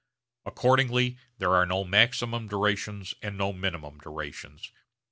Accordingly there are no maximum durations and no minimum durations.